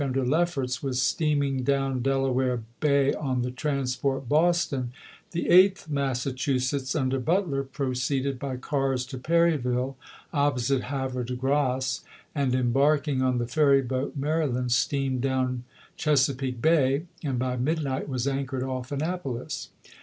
under Lefferts, was steaming down Delaware Bay on the transport Boston, the Eighth Massachusetts, under Butler, proceeded by cars to Perryville (op posite Havre de Grace), and, embarking on the ferry boat Maryland, steamed down Chesapeake Bay, and by midnight was anchored off Annap olis.